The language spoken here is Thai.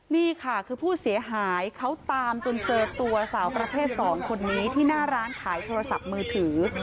นี่ค่ะคือผู้เสียหายเขาตามจนเจอตัวสาวประเภท๒คนนี้ที่หน้าร้านขายโทรศัพท์มือถือ